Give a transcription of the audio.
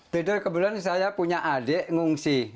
tidur kebetulan saya punya adik ngungsi